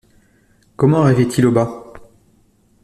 Comment arriva-t-il au bas?